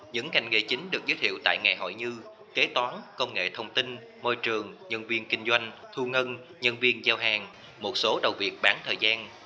những ngành nghề chính được giới thiệu tại ngày hội như kế toán công nghệ thông tin môi trường nhân viên kinh doanh thu ngân nhân viên giao hàng một số đầu việc bán thời gian